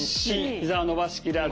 ひざを伸ばしきらず。